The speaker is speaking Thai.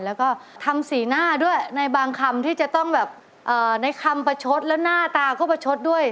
แล้วก็ทำสีหน้าด้วยในบางคำที่จะต้องแบบในคำประชดแล้วหน้าตาก็ประชดด้วย